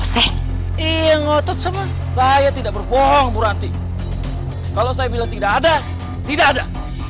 saya tidak berbohong buranti kalau saya bilang tidak ada tidak ada